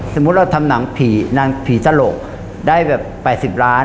สมมุติเราทำหนังผีหนังผีตลกได้แบบ๘๐ล้าน